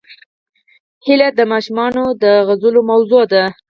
هیلۍ د ماشومانو د سندرو موضوع ده